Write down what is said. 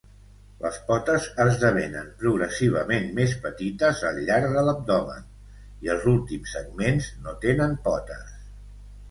Les potes esdevenen progressivament més petites al llarg de l'abdomen i els últims segments no tenen potes.